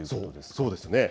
そうですよね。